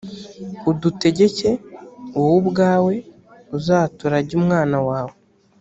udutegeke wowe ubwawe uzaturage umwana wawe